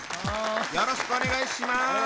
よろしくお願いします！